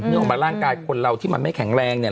ออกมาร่างกายคนเราที่มันไม่แข็งแรงเนี่ย